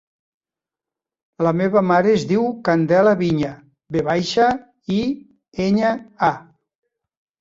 La meva mare es diu Candela Viña: ve baixa, i, enya, a.